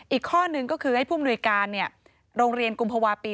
อีกข้อหนึ่งก็คือให้ผู้มนุยการโรงเรียนกุมภาวะปี